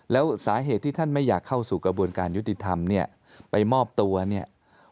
แล้วสาเหตุที่ท่านไม่อยากเข้าสู่กระบวนการยุติธรรมเนี่ยไปมอบตัวเนี่ย